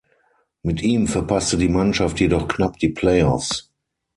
Mit ihm verpasste die Mannschaft jedoch knapp die Playoffs.